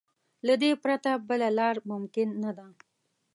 له دې پرته بله لار ممکن نه ده.